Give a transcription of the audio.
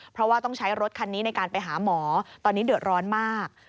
เพราะว่าต้องใช้รถคันนี้ในการไปหาหมอตอนนี้เดือดร้อนมาก